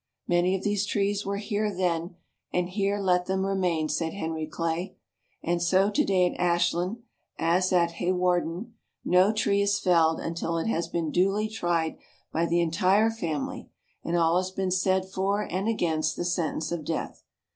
Many of these trees were here then, and here let them remain, said Henry Clay. And so today at Ashland, as at Hawarden, no tree is felled until it has been duly tried by the entire family and all has been said for and against the sentence of death.